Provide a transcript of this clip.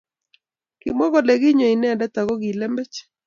Kimwa kole ki konyoindet ako ki lembech